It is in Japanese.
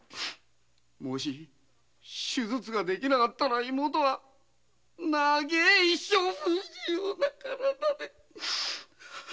もし手術が出来なかったら妹は長い一生不自由な体で。